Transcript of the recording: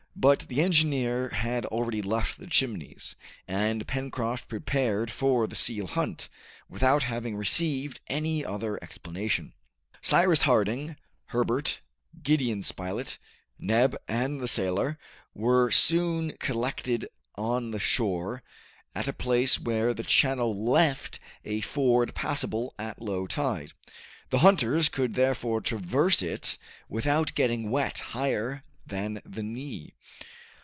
But the engineer had already left the Chimneys, and Pencroft prepared for the seal hunt, without having received any other explanation. Cyrus Harding, Herbert, Gideon Spilett, Neb, and the sailor were soon collected on the shore, at a place where the channel left a ford passable at low tide. The hunters could therefore traverse it without getting wet higher than the knee.